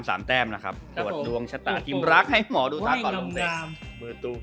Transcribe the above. แต้นข้อลองตามนะครับของดวงชะตาทีมรักให้หมอดูทักออก